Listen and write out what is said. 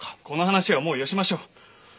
この話はもうよしましょう。